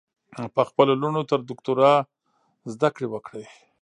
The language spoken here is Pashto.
په خپلو لوڼو تر دوکترا ذدکړي وکړئ